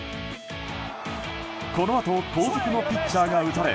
このあと後続のピッチャーが打たれ